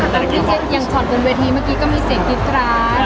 พี่เจนยังสอนเป็นเวทนี้เมื่อกี้ก็มีเศรษฐ์กิจกราศ